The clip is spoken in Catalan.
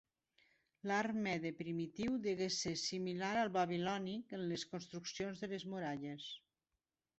L'art mede primitiu degué ser similar al babilònic en les construccions de les muralles.